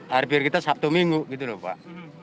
harap harap kita sabtu minggu gitu lho pak